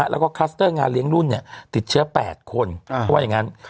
แล้วก็คลัสเตอร์งานเลี้ยงรุ่นติดเชื้อ๘คนเพราะว่าอย่างนั้น